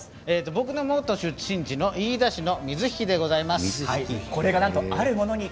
僕の出身の飯田市の水引でございます。